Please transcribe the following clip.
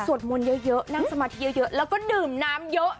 มนต์เยอะนั่งสมาธิเยอะแล้วก็ดื่มน้ำเยอะ